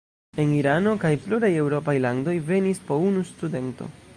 El Irano kaj pluraj eŭropaj landoj venis po unu studento.